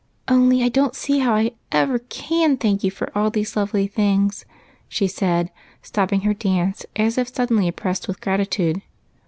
Only I don't see how I ever can thank you for all these lovely things," she said, stopping her dance, as if suddenly oppressed with gratitude.